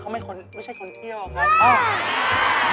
เขาไม่ค้นไม่ใช่คนเที่ยวครับ